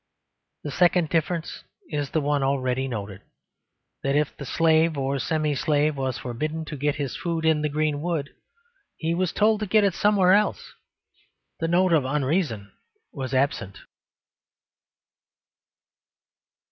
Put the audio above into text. The second difference is the one already noted: that if the slave or semi slave was forbidden to get his food in the greenwood, he was told to get it somewhere else. The note of unreason was absent.